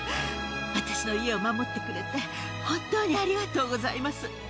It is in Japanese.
私の家を守ってくれて、本当にありがとうございます。